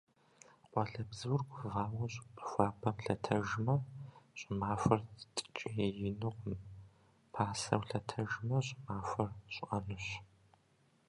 Къуалэбзур гувауэ щӏыпӏэ хуабэм лъэтэжмэ, щӏымахуэр ткӏиинукъым, пасэу лъэтэжмэ, щӏымахуэр щӏыӏэнущ.